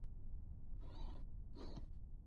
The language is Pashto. افغانستان د کلیو په اړه علمي څېړنې لري.